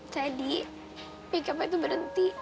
pick up itu berhenti